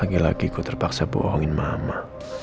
lagi lagi aku terpaksa bohongin mama